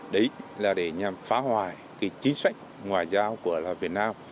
đấy là để nhằm phá hoại cái chính sách ngoại giao của việt nam